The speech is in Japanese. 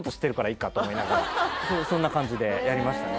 そんな感じでやりましたね